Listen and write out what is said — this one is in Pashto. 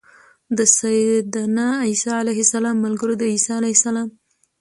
د سيّدنا عيسی عليه السلام ملګرو د عيسی علیه السلام